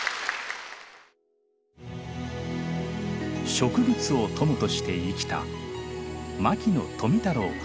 植物を友として生きた牧野富太郎博士。